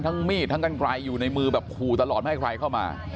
มีดทั้งกันไกลอยู่ในมือแบบขู่ตลอดไม่ให้ใครเข้ามา